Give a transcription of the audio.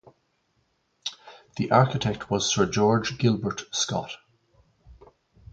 The architect was Sir George Gilbert Scott.